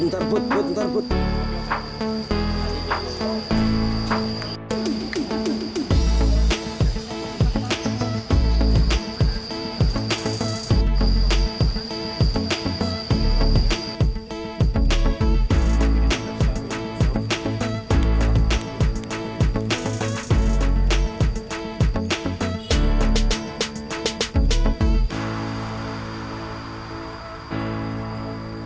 ntarbut ntar major